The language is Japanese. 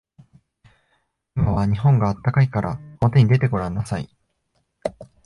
今は日本が暖かいからおもてに出てごらんなさい。